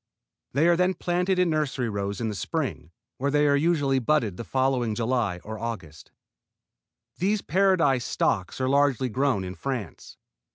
They are then planted in nursery rows in the spring, where they are usually budded the following July or August. These Paradise stocks are largely grown in France.